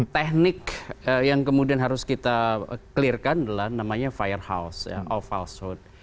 teknik yang kemudian harus kita clear kan adalah namanya firehouse of falsehood